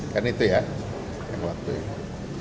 kan itu ya yang waktu itu